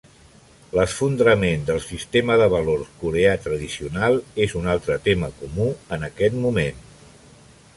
L'esfondrament del sistema de valors coreà tradicional és un altre tema comú en aquest moment.